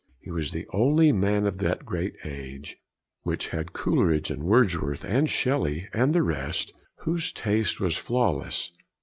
He was the only man of that great age, which had Coleridge, and Wordsworth, and Shelley, and the rest, whose taste was flawless.